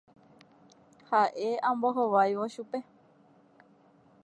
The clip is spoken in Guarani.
Ha'e ambohováivo chupe.